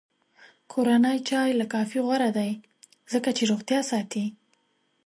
کورنی چای له کافي غوره دی، ځکه چې روغتیا ساتي.